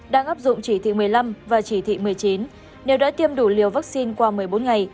đang áp dụng chỉ thị một mươi năm và chỉ thị một mươi chín nếu đã tiêm đủ liều vaccine qua một mươi bốn ngày